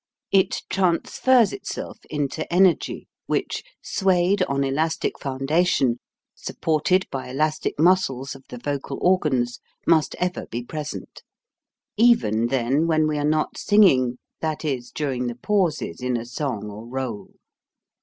. It transfers itself into energy, which, swayed on elastic foundation, supported by elastic muscles of the vocal organs, must ever be present ; even, then, when we are not singing, that is, during the pauses in a song or r61e.